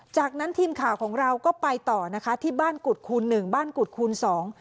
จากนั้นทีมข่าวของเราก็ไปต่อนะคะที่บ้านกุฎคูณหนึ่งบ้านกุฎคูณสอง